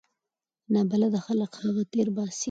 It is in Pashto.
نابلده خلک هغه تیر باسي.